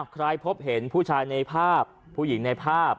ใครพบเห็นผู้ชายในภาพผู้หญิงในภาพ